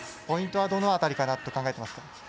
ポイントはどの辺りからと考えてますか？